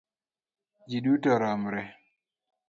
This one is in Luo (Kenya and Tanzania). Ji duto romre